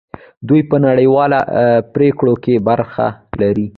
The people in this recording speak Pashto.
دوی په نړیوالو پریکړو کې برخه لري.